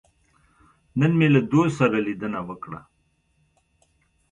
نن مې له دوست سره لیدنه وکړه.